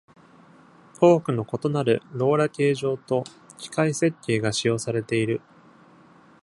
多くの異なるローラ形状と機械設計が使用されている。